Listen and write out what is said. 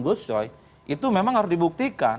gus coy itu memang harus dibuktikan